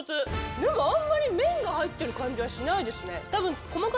でもあんまり麺が入っている感じはしないですね。